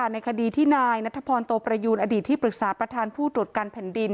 ในคดีที่นายนัทพรโตประยูนอดีตที่ปรึกษาประธานผู้ตรวจการแผ่นดิน